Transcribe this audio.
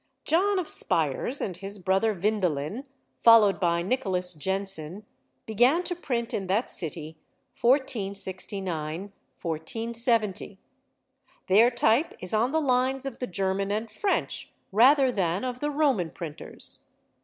John of Spires and his brother Vindelin, followed by Nicholas Jenson, began to print in that city, 1469, 1470; their type is on the lines of the German and French rather than of the Roman printers.